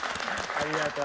ありがとう。